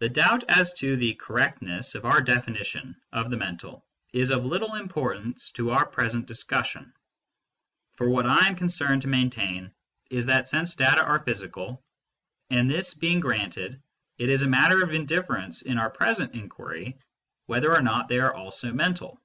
The doubt as to the correctness of our definition of the " mental " is of little importance in our present dis cussion. For what I am concerned to maintain is that sense data are physical, and this being granted it is a matter of indifference in our present inquiry whether or not they are also mental.